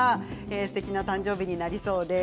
すてきな誕生日になりそうです。